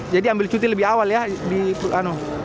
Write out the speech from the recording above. jadi ambil cuti lebih awal ya